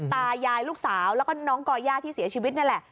ตายายลูกสาวแล้วก็น้องก่อย่าที่เสียชีวิตนั่นแหละ